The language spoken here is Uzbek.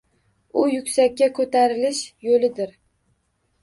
U yuksakka ko‘tarilish yo‘lidir.